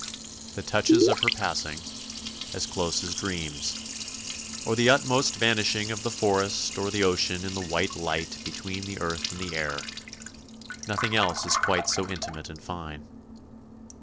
The touches of her passing, as close as dreams, or the utmost vanishing of the forest or the ocean in the white light between the earth and the air; nothing else is quite so intimate and fine.